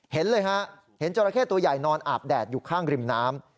เห็นเลยฮะเห็นจราเข้ตัวใหญ่นอนอาบแดดอยู่ข้างริมน้ำ